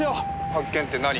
「発見って何が？」